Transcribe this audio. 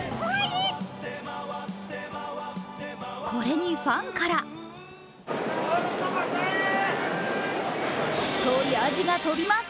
これにファンからとやじが飛びます。